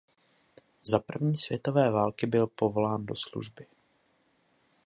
Za první světové války byl povolán do služby.